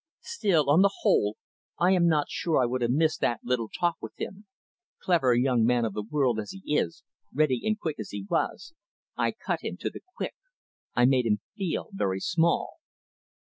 "Still, on the whole, I am not sure I would have missed that little talk with him. Clever young man of the world as he is, ready and quick as he was, I cut him to the quick. I made him feel very small."